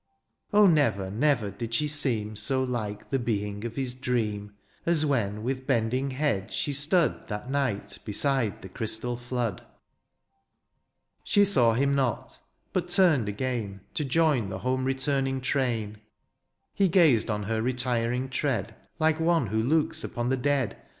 Oh never, never, did she seem So like the being of his dream As when, with bending head, she stood That night beside the crystal flood. She saw him not, but turned again To join the home returning train. He gazed on her retiring tread Like one who looks upon the dead.